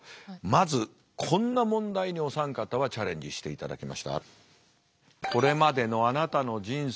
まずこんな問題にお三方はチャレンジしていただきました。